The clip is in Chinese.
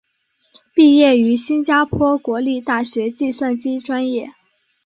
毕业于新加坡国立大学计算机专业。